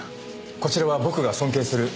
こちらは僕が尊敬する杉下警部。